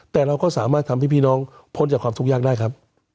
แต่เราก็สามารถทำให้พี่น้องพ้นจากความทุกข์ยากได้ครับ